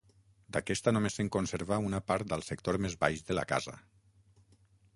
D'aquesta només se'n conserva una part al sector més baix de la casa.